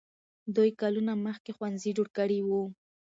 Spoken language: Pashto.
دوی کلونه مخکې ښوونځي جوړ کړي وو.